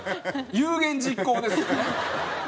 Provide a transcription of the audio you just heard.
有言実行ですよね。